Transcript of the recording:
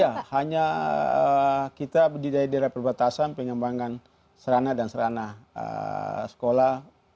ya hanya kita di daerah daerah perbatasan pengembangan serana dan serana sekolah